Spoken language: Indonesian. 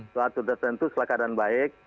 suatu tertentu setelah keadaan baik